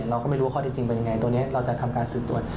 เราก็ไม่รู้ว่าข้อที่จริงเป็นยังไงตัวนี้เราจะทำการสืบสวน